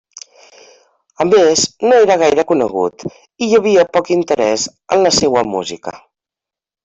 A més, no era gaire conegut i hi havia poc interès en la seua música.